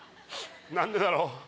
何でだろう？